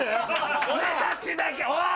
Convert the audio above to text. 俺たちだけおい！